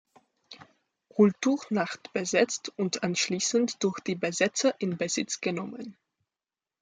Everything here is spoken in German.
Kulturnacht besetzt und anschliessend durch die Besetzer in Besitz genommen.